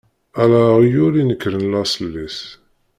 Ala aɣyul i inekren lasel-is.